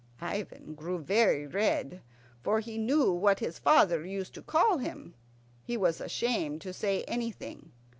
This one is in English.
Ivan grew very red, for he knew what his father used to call him. He was ashamed to say anything.